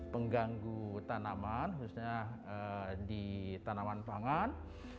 pengganggu tanaman khususnya di tanaman pangan